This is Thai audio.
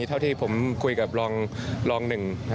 เท่าที่ผมคุยกับรองหนึ่ง